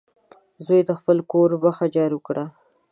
زوی د خپل کور مخه جارو کړه.